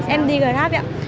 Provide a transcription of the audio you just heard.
em đi grab ạ